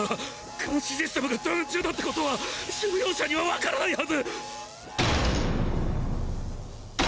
監視システムがダウン中だってことは収容者には分からないはず！